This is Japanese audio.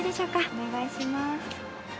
お願いします。